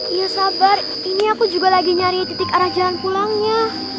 iya sabar ini aku juga lagi nyari titik arah jalan pulangnya